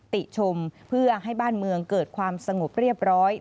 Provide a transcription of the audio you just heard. ติชมเพื่อให้บ้านเมืองเกิดความสงบเรียบร้อย